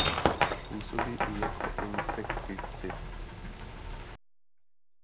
Působí i jako insekticid.